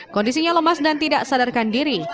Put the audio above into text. kondisinya lemas dan tidak sadarkan diri